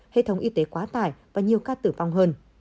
hệ thống y tế quá tải và nhiều ca tử vong hơn